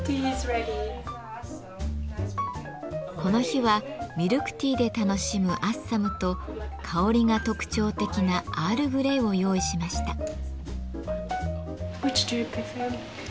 この日はミルクティーで楽しむアッサムと香りが特徴的なアールグレイを用意しました。